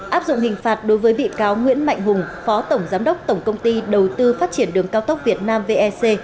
áp dụng hình phạt đối với bị cáo nguyễn mạnh hùng phó tổng giám đốc tổng công ty đầu tư phát triển đường cao tốc việt nam vec